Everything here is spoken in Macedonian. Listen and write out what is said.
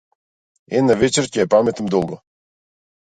Една вечер ќе ја паметам долго.